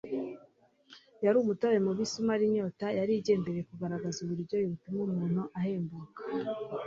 yari umutobe mubisi umara inyota, yari igendereye kugaragaza uburyohe butuma umuntu ahembuka.